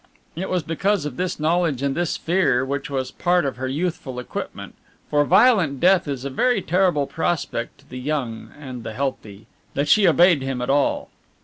It was because of this knowledge and this fear, which was part of her youthful equipment for violent death is a very terrible prospect to the young and the healthy that she obeyed him at all.